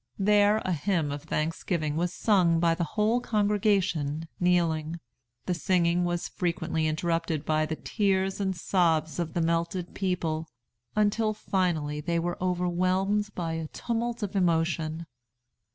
There a hymn of thanksgiving was sung by the whole congregation kneeling. The singing was frequently interrupted by the tears and sobs of the melted people, until finally they were overwhelmed by a tumult of emotion.